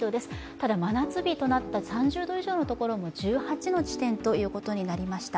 ただ真夏日となった３０度以上のところは１８の地点ということになりました。